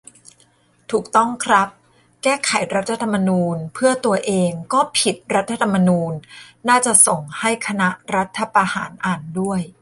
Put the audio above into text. ถูกต้องครับ "แก้ไขรัฐธรรมนูญเพื่อตัวเองก็ผิดรัฐธรรมนูญ" น่าจะส่งให้คณะรัฐประหารอ่านด้วย